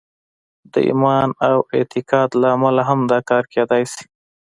د ایمان او اعتقاد له امله هم دا کار کېدای شي